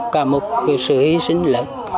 cả một sự hí sinh lớn